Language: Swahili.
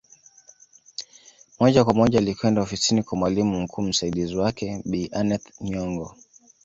Moja kwa moja alikwenda ofisini kwa mwalimu mkuu msaidizi wake Bi Aneth Nyongo